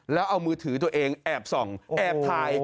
แล้วเอามือถือตัวเองแอบส่องแอบถ่าย